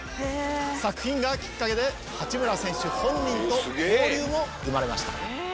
作品がキッカケで八村選手本人と交流も生まれました。